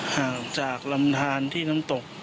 ห่างจากลำทานที่น้ำตก